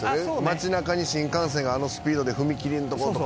町中に新幹線があのスピードで踏切のところとか。